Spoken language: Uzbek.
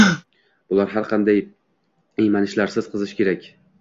Bular har qanday iymanishlarsiz qilish kerak